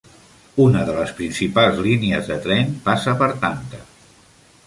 Una de les principals línies de tren passa per Tanta.